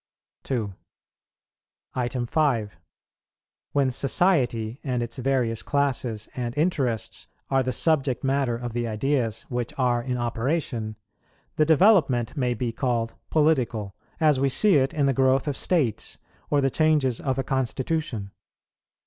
2. 5. When society and its various classes and interests are the subject matter of the ideas which are in operation, the development may be called political; as we see it in the growth of States or the changes of a Constitution.